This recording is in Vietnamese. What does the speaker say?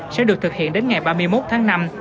sẽ được thực hiện đến ngày ba mươi một tháng năm